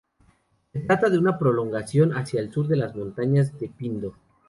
Se trata de una prolongación hacia el sur de las montañas de Pindo.